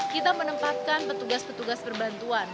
kita menempatkan petugas petugas berbantuan